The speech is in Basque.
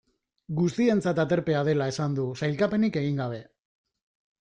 Guztientzat aterpea dela esan du, sailkapenik egin gabe.